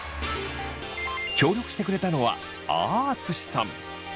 協力してくれたのはあああつしさん！